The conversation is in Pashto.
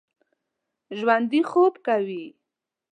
ژوندي خوب کوي